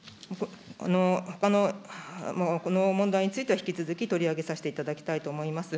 ほかのこの問題については、引き続き取り上げさせていただきたいと思います。